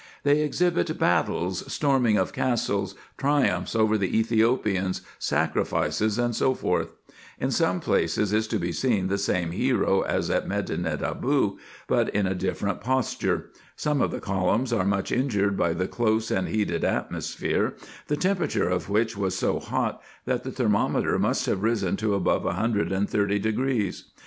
They exhibit battles, storming of castles, triumphs over the Ethiopians, sacrifices, &c. In some places is to be seen the same hero as at Medinet Aboo, but in a different posture. Some of the columns are much injured by the close and heated atmosphere, the temperature of which was so hot, that the thermometer must have risen to above a hundred and thirty degrees.